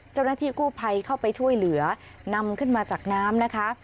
เจ้าหน้าที่กู้ภัยเข้าไปช่วยเหลือนำขึ้นมาจากน้ำนะคะ